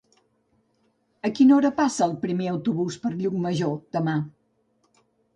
A quina hora passa el primer autobús per Llucmajor demà?